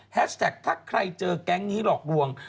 แท็กถ้าใครเจอแก๊งนี้หลอกลวง